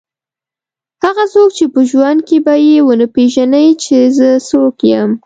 هغه څوک چې په ژوند کې به یې ونه پېژني چې زه څوک یم.